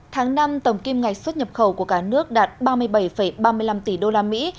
tháng năm tổng kim ngạch xuất nhập khẩu của cả nước đạt ba mươi bảy ba mươi năm tỷ đô la mỹ